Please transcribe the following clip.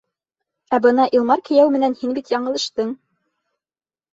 Ә бына Илмар кейәү менән һин бит яңылыштың.